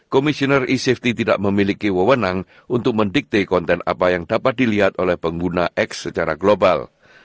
komisioner e safety tidak memiliki wewenang untuk mendikte konten apa yang dapat dilihat oleh pengguna x secara global